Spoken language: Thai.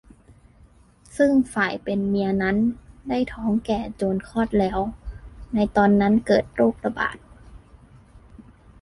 ซึ่งฝ่ายเป็นเมียนั้นได้ท้องแก่จวนคลอดแล้วในตอนนั้นเกิดโรคระบาด